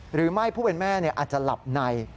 หรือไม่ผู้เป็นแม่อาจจะหลับใน